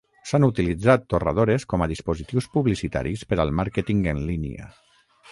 S'han utilitzat torradores com a dispositius publicitaris per al màrqueting en línia.